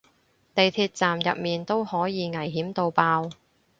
地鐵站入面都可以危險到爆